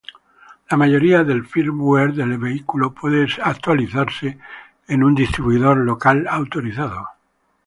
La mayoría del "firmware" del vehículo puede ser actualizado en un distribuidor local autorizado.